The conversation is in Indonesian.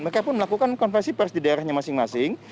mereka pun melakukan konversi pers di daerahnya masing masing